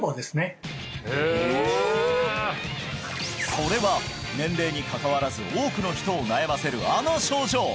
それは年齢に関わらず多くの人を悩ませるあの症状！